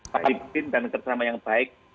pak ipin dan kerjasama yang baik